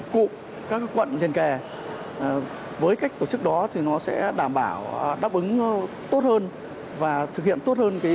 cụ các quận liền kè với cách tổ chức đó thì nó sẽ đảm bảo đáp ứng tốt hơn và thực hiện tốt hơn